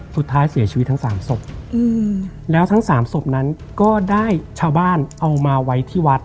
สุดท้ายเสียชีวิตทั้งสามศพแล้วทั้งสามศพนั้นก็ได้ชาวบ้านเอามาไว้ที่วัด